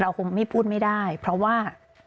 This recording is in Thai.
คงไม่พูดไม่ได้เพราะว่า